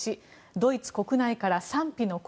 ドイツ国内から賛否の声。